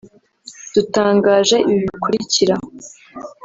dutangaje ibi bikurikira